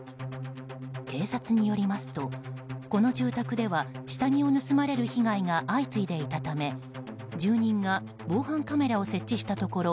警察によりますと、この住宅では下着を盗まれる被害が相次いでいたため住民が防犯カメラを設置したところ